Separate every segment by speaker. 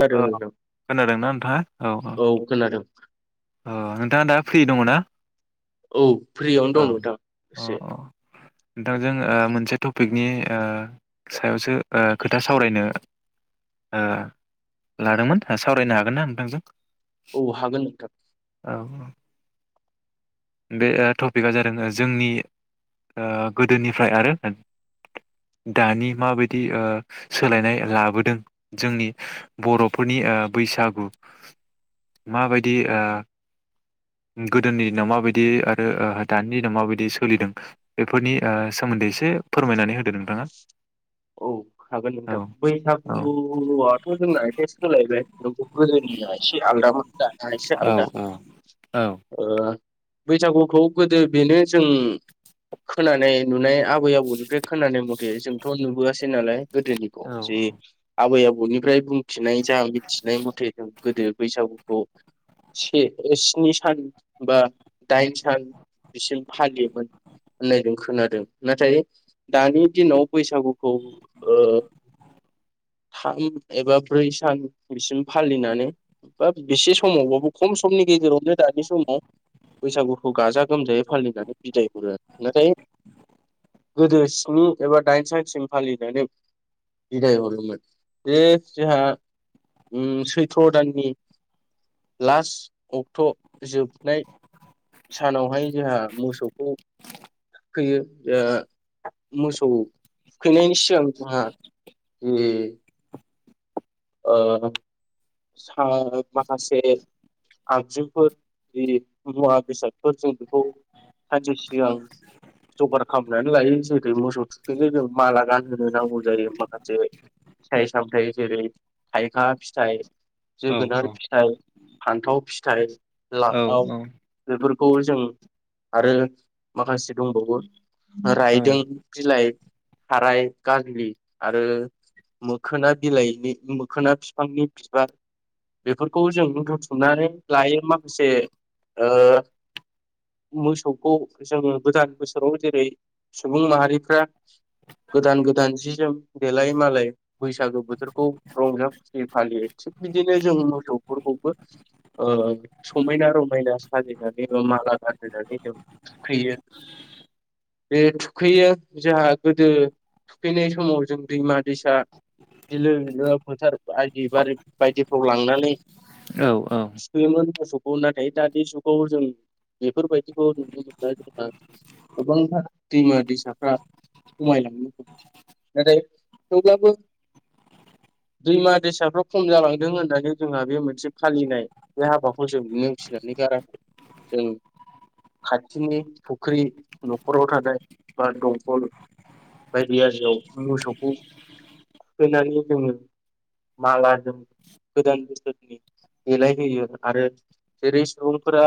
Speaker 1: खोनादों
Speaker 2: औ
Speaker 1: नोंथां
Speaker 2: खोनादोंना नोंथाङा औ औ औ नों थाङा दा फ्रि दङ ना?
Speaker 1: औ फ्रियावनो
Speaker 2: औ
Speaker 1: दं नोंथां
Speaker 2: अ
Speaker 1: एसे।
Speaker 2: नोंथांजों ओ मोनसे टपिकनि ओ सायावसो ओ खोथा सावरायनो ओ लादोंमोन सावरायनो हागोन ना नोंथांजों?
Speaker 1: औ हागोन नोंथां।
Speaker 2: औ बे टपिकआ जादों जोंनि ओ गोदोनिफ्राय आरो दानि माबायदि ओ सोलायनाय लाबोदों जोंनि बर'फोरनि ओ बैसागु माबायदि
Speaker 1: औ
Speaker 2: ओ गोदोनि दिनाव माबायदि आरो दानि दिनाव माबायदि सोलिदों बेफोरनि ओ सोमोन्दै एसे फोरमायनानै होदो नोंथाङा
Speaker 1: औ हागोन
Speaker 2: औ
Speaker 1: नोंथां
Speaker 2: औ
Speaker 1: बैसागुआथ' जोंना एसे सोलायबाय नोंगौ गोदोनिया एसे आलदामोन दा एसे आलदा ओ ओ बैसागुखौ गोदो बेनो जों खोनानाय नुनाय आबै आबौनिफ्राय खोनानाय मथे जोंथ नु वासै नालाय गोदोनिखौ जे आबै आबौनिफ्राय बुंथिनाय जा मिथिनाय मथे जों गोदो बैसागुखौ से स्नि सान बा दाइन सान बिसिम फालियोमोन होननाय जों खोनादों नाथाय दानि दिनाव बैसागु खौ ओ थाम एबा ब्रै सान बिसिम फालिनानै बा बेसे समावबाबो खम समनि गेजेरावनो दानि समाव बैसागुखौ गाजा गोमजायै फालिनानै बिदाय हरो नाथाय गोदो स्नि एबा दाइन सानसिम फालिनानै बिदाय हरोमोन बेे जोंहा उम सैथ्र दाननि लास्ट अक्ट' जोबनाय सानावहाय जोंहा मोसौखौ थुखैयो ओ मोसौ थुखैनायनि सिगां जोंहा जे ओ सा माखासे आगजुफोर जि मुवा बेसादफोर जों बेखौ सानसे सिगां जगार खालामनानै लायो जेरै मोसौ थुखैनो जों माला गानहोनो नांगौ जायो माखासे फिथाइ सामथाइ जेरै थाइखा फिथाइ जोगोनार फिथाइ फान्थाव फिथाइ। लाव बेफोर खौ जों आरो माखासे दंबावो रायदों बिलाइ खाराय गागलि आरो मोखोना बिलाइनि मो खोना फिफांनि बिबार बेफोरखौ जों बुथुमनानै लायो माखासे ओ मोसौखौ जोङो गोदान बोसोराव जेरै सुबुं माहारिफ्रा गोदान गोदान जि जोम देलाय मालाय बैसागो बोथोरखौ रंजा खुसि फालियो थिग बिदिनो जों मोसौफोरखौबो ओ समायना रमायना साजिनानै बा माला गानहोनानै जों थुखैयो बे थुखैयो जोहा गोदो थुखैनाय समाव जों दैमा दैसा बिलो बिलो फोथार आइदि बारि बायदिफ्राव लांनानै
Speaker 2: औ औ।
Speaker 1: थुखैयोमोन मोसौखौ नाथाय दानि जुगाव जों बेफोरबायदिखौ नुनो मोनब्ला जोंहा गोबांथार दैमा दैसाफ्रा खमायलांनो नाथाय थेवब्लाबो दैमा दैसाफ्रा खम जालांदों होननानै जोंहा बे मोनसे फालिनाय बे हाबाखौ जों नेवसिनानै गाराखै जों खाथिनि फुख्रि न'खराव थानाय बा दंखल बायदि आजिआव मोसौखौ थुखैनानै जोङो मालाजों गोदान बोसोरनि देलाय होयो आरो जेरै सुबुंफोरा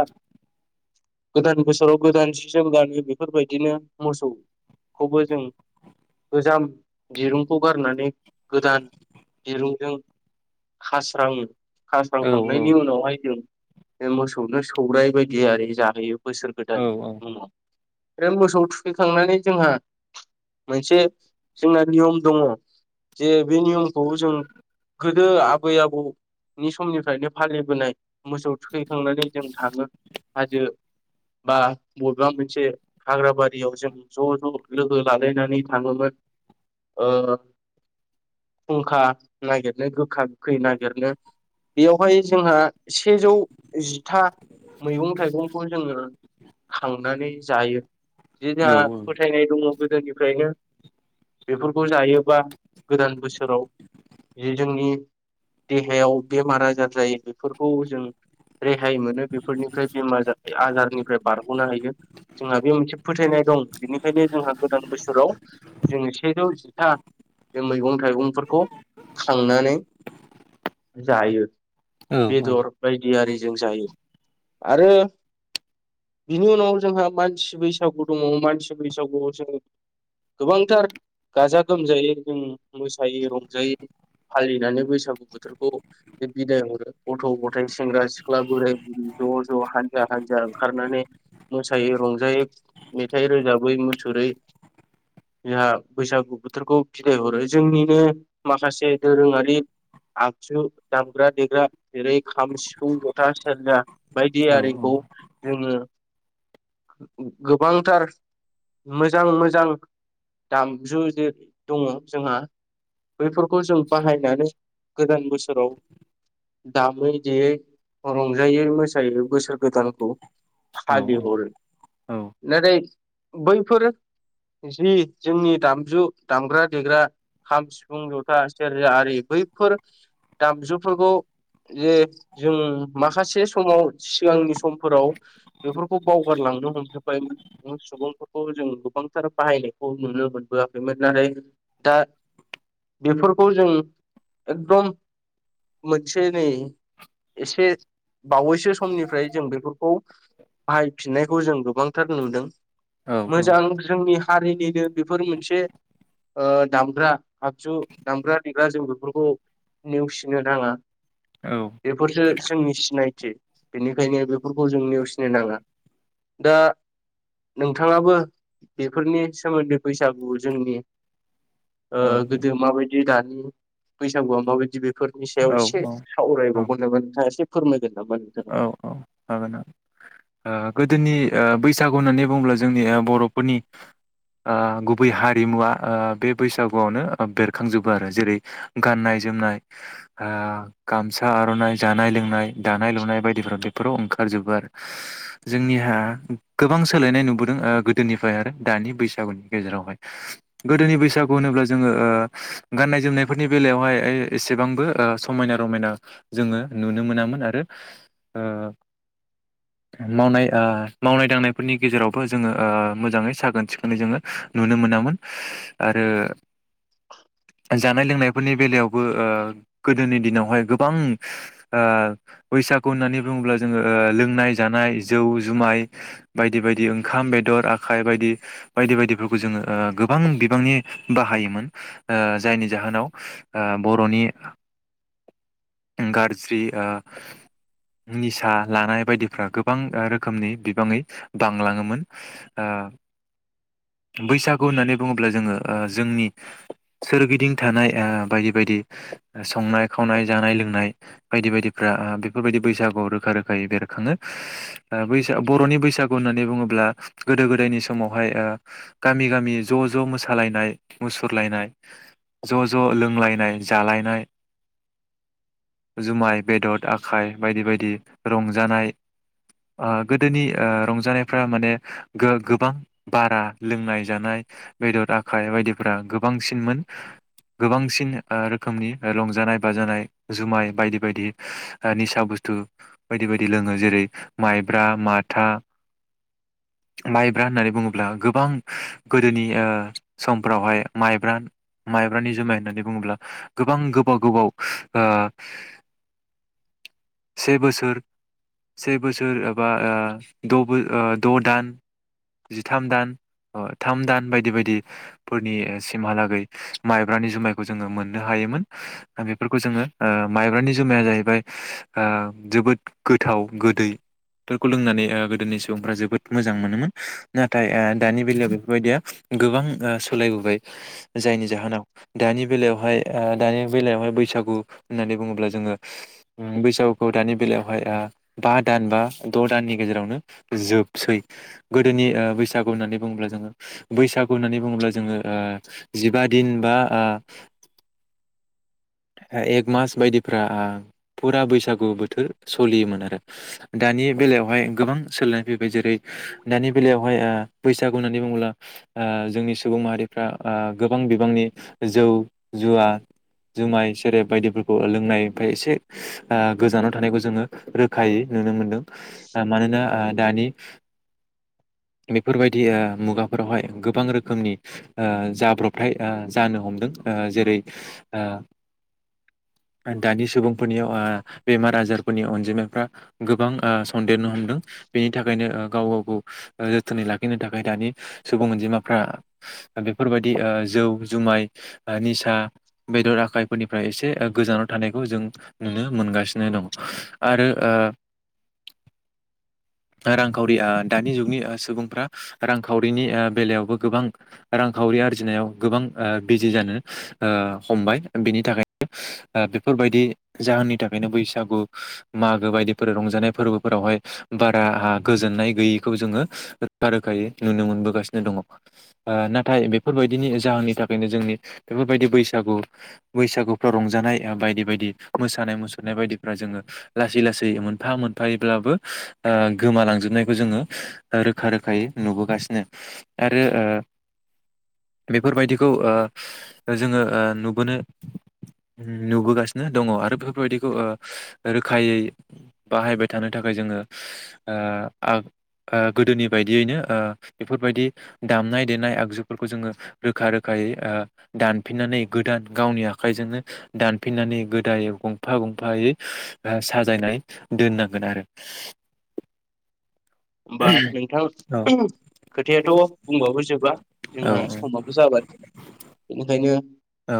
Speaker 1: गोदान बोसोराव गोदान सि जोम गानो बेफोरबायदिनो मोसौखौबो जों गोजाम दिरुंखौ गारनानै गोदान दिरुंजों खास्राङो खास्रांखांनायनि उनावहाय जों, जों मोसौनो सौराइ बायदियारि जाहैयो बोसोर गोदान
Speaker 2: औ
Speaker 1: मुङाव बे मोसौ थुखैखांनानै जोंहा मोनसे जोंना नियम दङ' जे बे नियम खौ जों गोदो आबै आबौनि समनिफ्रायनो फालिबोनाय मोसौ थुखैखांनानै जों थाङो हाजो बा बबेबा मोनसे हाग्राबारियाव जों ज' ज' लोगो लालायनानै थाङोमोन ओ फुंखा नागिरनो गोखा गोखै नागिरनो बेयावहाय जोंहा सेजौ जिथा मैगं थाइगंखौ जोङो खांनानै जायो जे जोंहा फोथायनाय दङ' गोदोनिफ्रायनो बेफोरखौ जायोबा गोदान बोसो सोराव जे जोंनि देहायाव बेमार आजार जायो बेफोरखौ जों रेहाय मोनो बेफोरनिफ्राय बेमार आजारनिफ्राय बारग'नो हायो जोंहा बे मोनसे फोथायनाय दं बिनिखायनो जोंहा गोदान बोसोराव जोंङो सेजौ जिथा जों मैगं थाइगं फोरखौ खांनानै जायो बेदर बायदि आरिजों जायो आरो बिनि उनाव जोंहा मानसि बैसागु दङ' मानसि बैसागुआव जों गोबांथार गाजा गोमजायै जों मोस सायो रंजायै फालिनानै बैसागु बोथोरखौ बे बिदाय हरो गथ' गथाय, सेंग्रा सिख्ला, बोराय बुरै ज' ज' हानजा हानजा ओंखारनानै मोसायो रंजायो मेथाइ रोजाबै मुसुरै जोंहा बैसागु बोथोरखौ बिदाय हरो जोंनि नो माखासे दोरोङारि आगजु दामग्रा देग्रा जेरै खाम, सिफुं, जथा, सेरजा बायदियारिखौ जोङो गोबांथार मोजां मोजां दामजुजो दङ' जोंहा। बैफोरखौ जों बाहायनानै गोदान बोसोराव दामै, देयै रंजायो मोसायो बोसोर गोदानखौ फालिहरो नाथाय बैफोर जि जोंनि दामजु दामग्रा देग्रा खाम सिफुं जथा सेरजा आरि बैफोर दामजुफोरखौ जे जों माखासे समाव सिगांनि समफोराव बेफोरखौ बावगारलांनो हमजोबबायमोन सुबुंफोरखौ जों गोबांथार बाहायनायखौ नुनो मोनबोआखैमोन नाथाय दा बेफोरखौ जों एकदम मोनसे नै एसे बावैसो समनिफ्राय जों बेफोरखौ बाहायफिननायखौ जों गोबांथार नुदों। मोजां जोंनि हारिनिनो बेफोर मोनसे ओ दामग्रा आगजु दामग्रा देग्रा जों बेफोरखौ नेवसिनो नाङा बेफोरसो जोंनि सिनायथि बेनिखायनो बेफोरखौ जों नेवसिनो नाङा दा नोंथाङाबो बेफोरनि सोमोन्दै बैसागु जोंनि ओ गोदो माबायदि दानि बैसागुआ माबायदि बे फोरनि सायाव एसे
Speaker 2: औ
Speaker 1: सावरायबावगोन नामा नोंथाङा एसे फोरमायगोन नामा नोंथां।
Speaker 2: ओ गोदोनि ओ बैसागु होननानै बुङोब्ला जोंनि ओ बर'फोरनि ओ गुबै हारिमुवा ओ बे बैसागुआवनो ओ बेरखांजोबो आरो जेरै गाननाय जोमनाय ओ गामसा आर'नाइ जानाय लोंनाय दानाय लुनाय बायदिफोराव बेफोराव ओंखारजोबो आरो। जोंनिहा गोबां सोलायनाय नुबोदों ओ गोदोनिफ्राय आरो दानि बैसागुनि गेजेरावहाय गोदोनि बैसागु होनोब्ला जोङो ओ गाननाय जोमनायफोरनि बेलायावहाय एसेबांबो ओ समायना रमायना जोङो नुनो मोनामोन आरो ओ मावनाय ओ मावनाय दांनायफोरनि गेजेरावबो जोङो ओ मोजाङै साखोन सिखोनै जोङो नुनो मोनामोन आरो जानाय लोंनायफोरनि बेलायावबो ओ गोदोनि दिनावहाय गोबां ओ बैसागु होननानै बुङोब्ला जोङो ओ लोंनाय जानाय जौ जुमाय बायदि बायदि ओंखाम बेदर आखाइ बायदि बायदि बायदिफोरखौ जोङो ओ गोबां बिबांनि बाहायोमोन ओ जायनि जाहोनाव ओ बर'नि गाज्रि ओ निसा लानाय बायदिफ्रा गोबां रोखोमनि बिबाङै बांलाङोमोन ओ बैसागु होननानै बुङोब्ला जोङो ओ जोंनि सोरगिदिं थानाय ओ बायदि बायदि संनाय खावनाय जानाय लोंनाय बायदि बायदिफ्रा बेफोरबायदि बैसागुआव रोखा रोखायै बेरखाङो ओ बैसा बर'नि बैसागु होननानै बुङोब्ला गोदो गोदायनि समावहाय ओ गामि गामि ज' ज' मोसालायनाय मुसुरलायनाय ज' ज' लोंलायनाय जालायनाय जुमाय बेदद आखाइ बायदि बायदि रंजानाय ओ गोदोनि ओ रंजानायफ्रा माने गो गोबां बारा लोंनाय जानाय बेदद आखाइ बायदिफ्रा गोबांसिनमोन गोबांसिन ओ रोखोमनि ओ रंजानाय बाजानाय जुमाय बायदि बायदि ओ निसा बुस्थु बायदि बायदि लोङो जेरै माइब्रा माथा माइब्रा होननानै बुङोब्ला गोबां गोदोनि ओ समफ्रावहाय माइब्रा माइब्रानि जुमाय होननानै बुङोब्ला गोबां गोबाव गोबाव ओ से बोसोर से बोसोर एबा ओ द' बो ओ द' दान जिथाम दान अ' थाम दान बायदि बायदिफोरनि सिमहालागै माइब्रानि जुमायखौ जोङो मोननो हायोमोन। बेफोरखौ जोङो ओ माइब्रानि जुमाया जाहैबाय ओ जोबोद गोथाव गोदै बेफोरखौ लोंनानै गोदोनि सुबुंफ्रा जोबोद मोजां मोनोमोन नाथाय ओ दानि बेलायाव बेफोरबायदिया गोबां ओ सोलायबोबाय। जायनि जाहोनाव दानि बेलायावहाय ओ दानि बेलायावहाय बैसागु होननानै बुङोब्ला जोङो ओ बैसागुखौ दानि बेलायावहाय बा सान बा द' साननि गेजेरावनो जोबसै गोदोनि ओ बैसागु होननानै बुङोब्ला जोङो बैसागु होननानै बुङोब्ला जोङो ओ जिबा दिन बा एक मास बायदिफ्रा फुरा बैसागु बोथोर सोलियोमोन आरो दानि बेलायावहाय गोबां सोलायनाय फैबाय जेरै दानि बेलायावहाय ओ बैसागु होननानै बुङोब्ला ओ जोंनि सुबुं माहारिफ्रा गोबां बिबांनि जौ जुवा जुमाय सेरे बायदिफोरखौ लोंनायफ्राय एसे ओ गोजानाव थानायखौ जोङो रोखायै नुनो मोनदों। मानोना ओ दानि बेफोर ओ बायदि मुगाफोरावहाय गोबां रोखोमनि ओ जाब्रबथाय ओ जानो हमदों जेरै ओ दानि सुबुंफोरनियाव ओ बेमार आजारफोरनि अनजिमाफ्रा गोबां ओ सन्देरनो हमदों। बेनि थाखायनो ओ गाव गाव ओ जोथोनै लाखिनो थाखाय दानि सुबुं अनजिमाफ्रा बेफोर बायददि ओ जौ जुमाय निसा बेदर आखाय फोरनिफ्राय एसे गोजानाव थानायखौ जों नुनो मोनगासिनो दङ आरो ओ रांखावरि दानि जुगनि सुबुंफ्रा रांखावरिनि बेलायावबो गोबां रांखावरि आरजिनायाव गोबां बिजि जानो ओ हमबाय। बेनि थाखायनो ओ बेफोरबायदि जाहोननि थाखायनो बैसागु मागो बायदिफोर रंजानाय फोरबोफोरावहाय बारा गोजोननाय गैयैखौ जोङो रोखा रोखायै नुनो मोनबोगासिनो दङ। ओ नाथाय बेफोर बायदिनि जाहोननि थाखायनो जोंनि बेफोर बायदि बैसागु बैसागुफ्राव रंजानाय बायदि बायदि मोसानाय मुसुरनाय बायदिफ्रा जोङो लासै लासै मोनफा मोनफायैब्लाबो ओ गोमालां जोबनायखौ जोङो रोखा रोखायै नुबोगासिनो आरो बेफोर बायदिखौ ओ जोङो ओ नुबोनो नुबोगासिनो दङ आरो बे बेफोर बायदिखौ ओ रोखायै बाहायबाय थानो थाखाय जोङो ओ आग गोदोनि ओ बायदियैनो बेफोर बायदि दामनाय देनाय आगजुफोरखौ जोङो रोखा रोखायै ओ दानफिननानै गोदान गावनि आखाइजोंनो दानफिननानै गोदायै गंफा गंफायै साजायनानै दोननांगोन आरो
Speaker 1: होमबा नोंथां
Speaker 2: औ
Speaker 1: खोथायाथ' बुंबाबो जोबा
Speaker 2: औ
Speaker 1: जोंहा समाबो जाबाय बेनिखायनो
Speaker 2: औ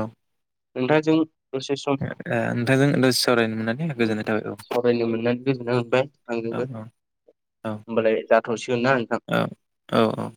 Speaker 1: नोंथांजों दसे सम
Speaker 2: ओ नोंथांजों दसे सावरायनो मोननानै
Speaker 1: उम
Speaker 2: गोजोननाय थाबाय औ
Speaker 1: सावरायनो मोननानै गोजोननाय मोनबाय आंजोंबो
Speaker 2: औ औ।
Speaker 1: होमबालाय जाथ'सिगोनना नोंथां।
Speaker 2: औ औ औ